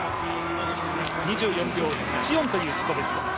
２４秒１４という自己ベスト。